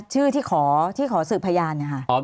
ชื่อที่ขอสืบพยาน